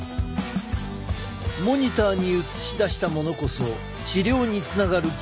モニターに映し出したものこそ治療につながるキーアイテム！